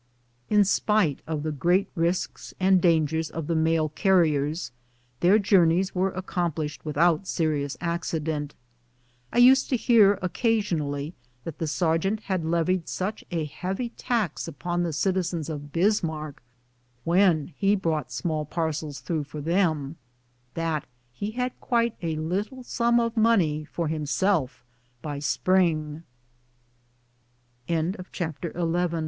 In spite of the great risks and dangers of the mail carriers, their journeys were accomplished without seri ous accident. I used to hear occasionally that the ser geant had levied such a heavy tax upon the citizens of Bismarck, when he brought small parcels through for them, that he had qui